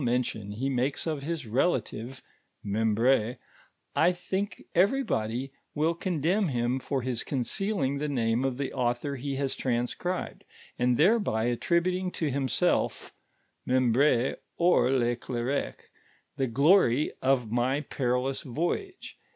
ontion he niaki'x of his relative (Membr*''\ I think everybody will condemn him Tor hia concealiiii^ the name of tli'' (luthor he has transcribed, and thereby attributing to himself (If Memt)i'6 or !•> j), the glory of my perilous voyage.